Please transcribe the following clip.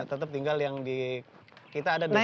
tetap tinggal yang di kita ada desain